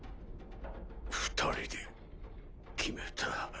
二人で決めた。